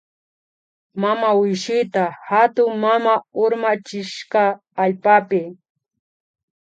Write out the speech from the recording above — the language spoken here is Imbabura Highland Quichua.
Mamawishita hatunmama urmachishka allpapi